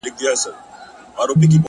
o تک سپين کالي کړيدي ـ